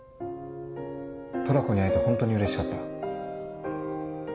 トラコに会えてホントにうれしかった。